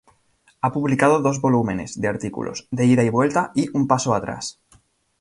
Ha publicado dos volúmenes de artículos: "De ida y vuelta" y "Un paso atrás".